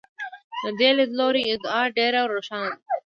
د دې لیدلوري ادعا ډېره روښانه ده.